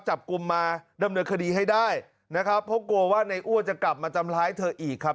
จับกลุ่มมาดำเนินคดีให้ได้นะครับเพราะกลัวว่าในอ้วนจะกลับมาทำร้ายเธออีกครับ